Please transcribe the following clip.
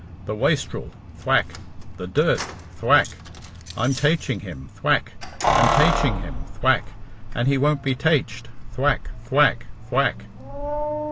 "The waistrel! (thwack). The dirt! (thwack). I'm taiching him (thwack), and taiching him (thwack), and he won't be taicht!" (Thwack, thwack, thwack.)